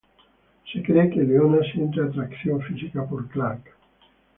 Se cree que Leona siente atracción física por Clark.